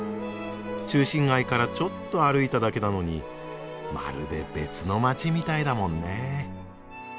中心街からちょっと歩いただけなのにまるで別の街みたいだもんね。